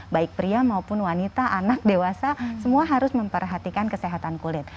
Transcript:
baik pria maupun wanita anak dewasa semua harus memperhatikan kesehatan kulit